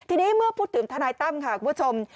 ทีนี้เมื่อพูดถึงทนายตั้มค่ะคุณผู้ชม